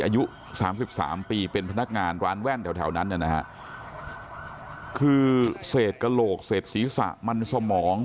ร้านแว่นแถวนั้นนะครับคือเศษกะโหลกเศษศีรษะมันสมอง